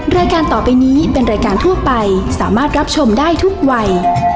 รายการต่อไปนี้เป็นรายการทั่วไปสามารถรับชมได้ทุกวัย